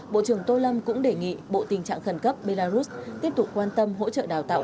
bộ trưởng tô lâm cũng đề nghị bộ tình trạng khẩn cấp belarus tiếp tục quan tâm hỗ trợ đào tạo